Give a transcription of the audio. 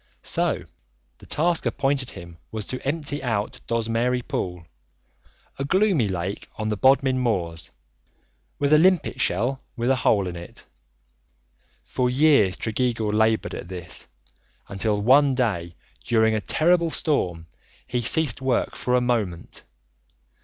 So the task appointed him was to empty out Dozmary Pool, a gloomy lake on the Bodmin Moors, with a limpet shell with a hole in it. For years Tregeagle laboured at this, until one day during a terrible storm he ceased work for a moment.